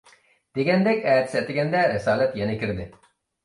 دېگەندەك ئەتىسى ئەتىگەندە رىسالەت يەنە كىردى.